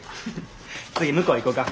次向こう行こか。